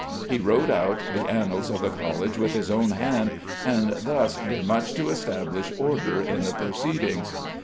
He wrote out the annals of the College with his own hand, and thus did much to establish order in the proceedings.